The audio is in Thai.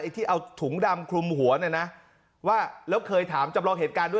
ที่เอาถุงดำคลุมหัวเนี่ยนะว่าแล้วเคยถามจำลองเหตุการณ์ด้วย